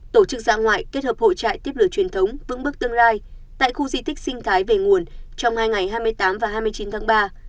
tổ chức ra ngoại kết hợp hội trại tiếp lửa truyền thống vững bước tương lai tại khu di tích sinh thái về nguồn trong hai ngày hai mươi tám và hai mươi chín tháng ba